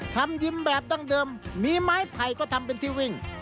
ทำยิ้มแบบดั้งเดิมมีไม้ไผ่ก็ทำเป็นที่วิ่ง